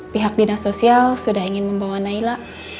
pihak dinas sosial sudah ingin membawa naila